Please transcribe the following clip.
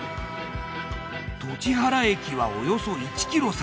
栃原駅はおよそ１ｋｍ先。